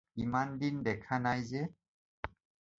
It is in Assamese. ইমান দিন দেখা নাই যে?